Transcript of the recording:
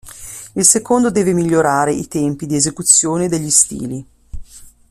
Il secondo deve migliorare i tempi di esecuzione degli stili.